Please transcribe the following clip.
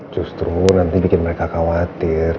justru nanti bikin mereka khawatir